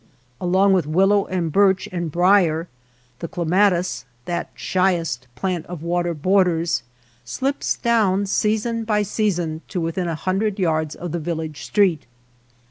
Along with willow and birch and brier, the clematis, that shyest plant of water borders, slips down season by season to within a hundred yards of the village street.